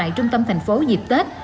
tại trung tâm thành phố dịp tết